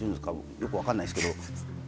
よくわからないですけど。